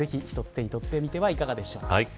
手に取ってみてはいかがでしょうか。